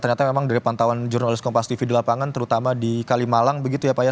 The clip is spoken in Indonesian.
ternyata memang dari pantauan jurnalis kompas tv di lapangan terutama di kalimalang begitu ya pak ya